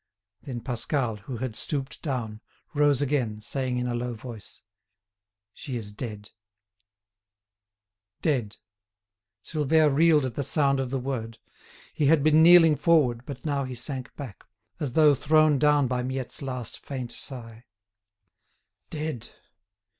Then Pascal, who had stooped down, rose again, saying in a low voice: "She is dead." Dead! Silvère reeled at the sound of the word. He had been kneeling forward, but now he sank back, as though thrown down by Miette's last faint sigh. "Dead!